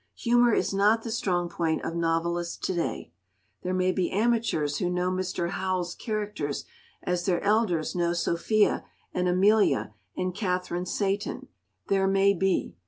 Humour is not the strong point of novelists to day. There may be amateurs who know Mr. Howells's characters as their elders know Sophia and Amelia and Catherine Seyton—there may be.